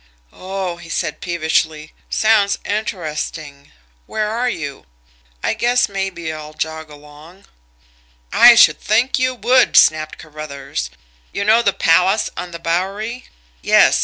"Oh!" he said peevishly. "Sounds interesting. Where are you? I guess maybe I'll jog along." "I should think you would!" snapped Carruthers. "You know the Palace on the Bowery? Yes?